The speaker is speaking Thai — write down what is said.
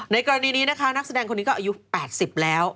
กรณีนี้นะคะนักแสดงคนนี้ก็อายุ๘๐แล้ว